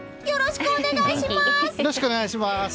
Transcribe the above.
よろしくお願いします！